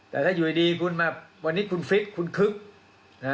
แต่ถ้าอยู่ดีคุณมาวันนี้คุณฟิตคุณคึกนะฮะ